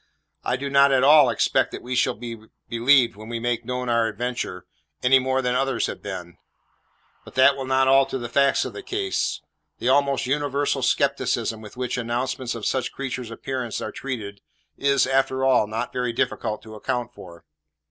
I do not at all expect that we shall be believed when we make known our adventure, any more than others have been; but that will not alter the facts of the case. The almost universal scepticism with which announcements of such creatures' appearances are treated is, after all, not very difficult to account for.